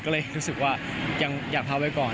ก็เลยรู้สึกว่าอยากพาไปก่อน